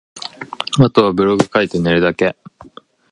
後はブログ書いて寝るだけ